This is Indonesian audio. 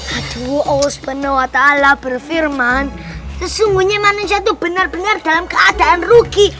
aduh usb noata'ala berfirman sesungguhnya manusia tuh benar benar dalam keadaan rugi